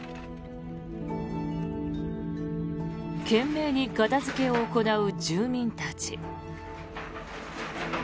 懸命に片付けを行う住民たち。